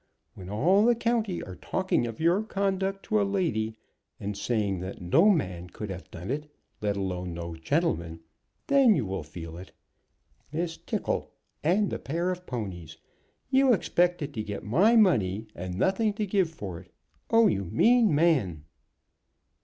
When all the county are talking of your conduct to a lady, and saying that no man could have done it, let alone no gentleman, then you will feel it. Miss Tickle, and a pair of ponies! You expected to get my money and nothing to give for it. Oh, you mean man!"